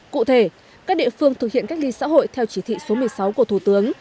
cụ thể các địa phương thực hiện cách ly xã hội theo chỉ thị số một mươi sáu của thủ tướng